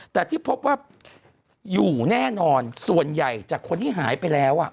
แต่ที่พบว่าอยู่แน่นอนส่วนใหญ่จากคนที่หายไปแล้ว